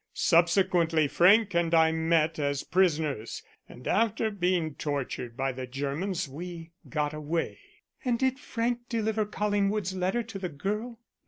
Subsequently Frank and I met as prisoners and after being tortured by the Germans we got away." "And did Frank deliver Collingwood's letter to the girl?"